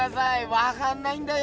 わかんないんだよ